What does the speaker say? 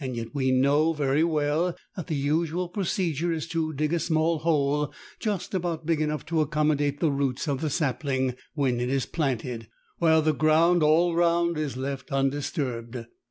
Yet we know very well that the usual procedure is to dig a small hole just about big enough to accommodate the roots of the sapling when it is planted, while the ground all round is left undisturbed.